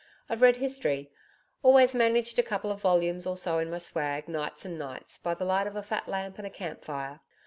I've read history always managed a couple of volumes or so in my swag nights and nights, by the light of a fat lamp and a camp fire.